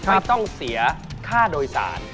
ไม่ต้องเสียค่าโดยสาร